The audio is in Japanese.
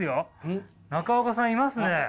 中岡さんいますね。